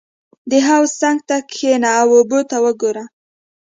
• د حوض څنګ ته کښېنه او اوبه ته وګوره.